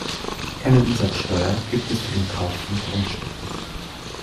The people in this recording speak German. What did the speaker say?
Keine Umsatzsteuer gibt es für den Kauf von Grundstücken.